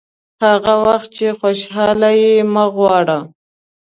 هغه وخت چې خوشاله یې مه غواړه.